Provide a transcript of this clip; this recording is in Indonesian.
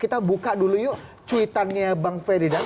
kita buka dulu yuk cuitannya bang ferdinand